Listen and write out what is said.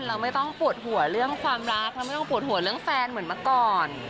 เราไม่ต้องปวดหัวเรื่องความรักเราไม่ต้องปวดหัวเรื่องแฟนเหมือนเมื่อก่อน